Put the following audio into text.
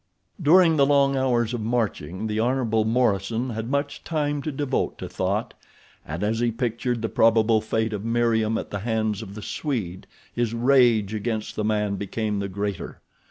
During the long hours of marching the Hon. Morison had much time to devote to thought, and as he pictured the probable fate of Meriem at the hands of the Swede his rage against the man became the greater.